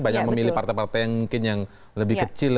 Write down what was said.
banyak memilih partai partai yang mungkin yang lebih kecil